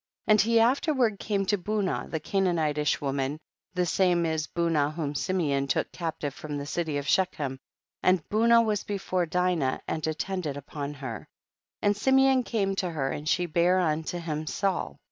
3. And he afterward came to Bunah the Canaanitish woman, the same is Bunah whom Simeon took captive from the city of Shechem, and Bunah was before Dinah and at tended upon her, and Simeon came to lier, and she bare unto him Saul, 4.